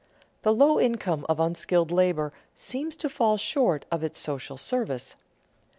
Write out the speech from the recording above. _The low income of unskilled labor seems to fall short of its social service.